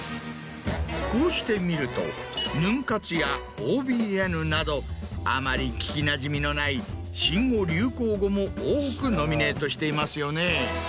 こうして見ると「ヌン活」や「ＯＢＮ」などあまり聞きなじみのない新語・流行語も多くノミネートしていますよね。